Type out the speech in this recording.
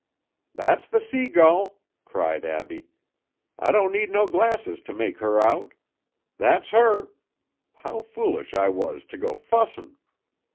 "That's the Sea Gull!" cried Abbie. "I don't need no glasses to make her out. That's her! How foolish I was to go fussin'.